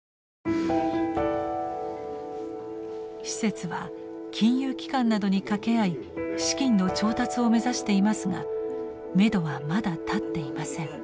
施設は金融機関などに掛け合い資金の調達を目指していますがめどはまだ立っていません。